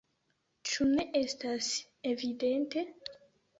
Ĉu ne estas evidente?